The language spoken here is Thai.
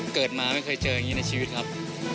เกิดมาไม่เคยเจออย่างนี้ในชีวิตครับ